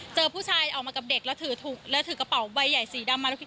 เจอผู้ชายออกมากับเด็กแล้วถือกระเป๋าใบใหญ่สีดำมาแล้วพี่